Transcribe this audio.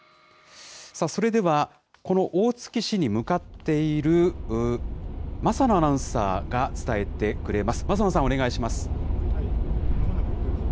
それでは、この大月市に向かっているまさのアナウンサーが伝えてくれます。